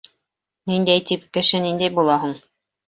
Ниндәй тип, кеше ниндәй була һуң?